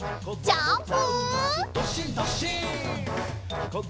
ジャンプ！